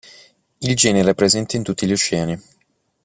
Il genere è presente in tutti gli oceani.